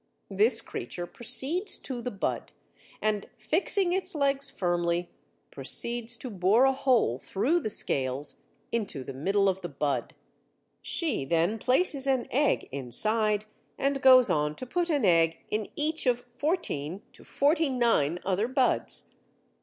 This creature proceeds to the bud, and fixing its legs firmly, proceeds to bore a hole through the scales into the middle of the bud. She then places an egg inside, and goes on to put an egg in each of fourteen to forty nine other buds.